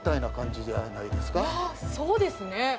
そうですね。